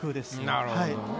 なるほどね。